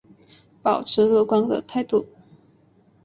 抱持乐观的态度